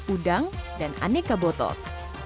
udang dan aneka botol